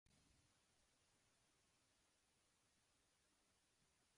No era pas una càmera.